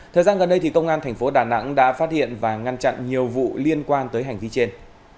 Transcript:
thời gian gần đây công an thành phố đà nẵng đã phát hiện và ngăn chặn nhiều vụ liên quan tới hành vi trên